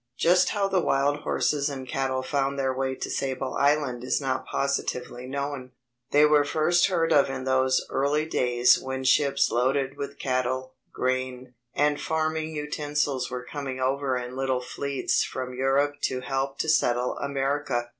Just how the wild horses and cattle found their way to Sable Island is not positively known. They were first heard of in those early days when ships loaded with cattle, grain, and farming utensils were coming over in little fleets from Europe to help to settle America.